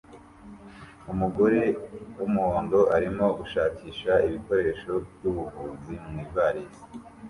Umugore wumuhondo arimo gushakisha ibikoresho byubuvuzi mu ivarisi